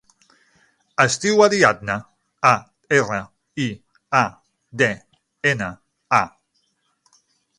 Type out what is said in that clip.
Es diu Ariadna: a, erra, i, a, de, ena, a.